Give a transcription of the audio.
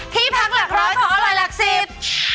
ที่พักหลักร้อยของอร่อยหลักสิบ